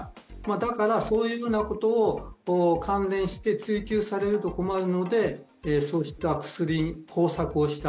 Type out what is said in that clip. だからそのようなことを関連して追及されると困るので、そういった薬に工作をした。